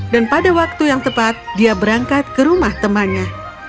dan pada waktu yang tepat dia berangkat ke rumah temannya